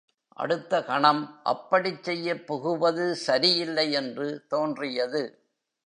அடுத்த கணம் அப்படிச் செய்யப் புகுவது சரியில்லை என்று தோன்றியது.